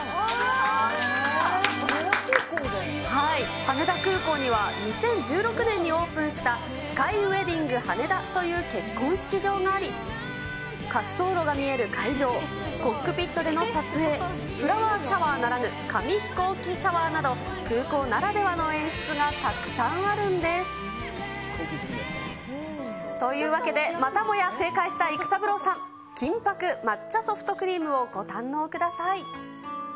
羽田空港には、２０１６年にオープンした、スカイウェディング羽田という結婚式場があり、滑走路が見える会場、コックピットでの撮影、フラワーシャワーならぬ、紙ヒコーキシャワーなど、空港ならではの演出がたくさんあるんです。というわけで、またもや正解した育三郎さん、金ぱく抹茶ソフトクリームをご堪能ください。